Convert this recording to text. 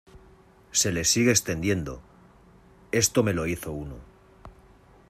se le sigue extendiendo. esto me lo hizo uno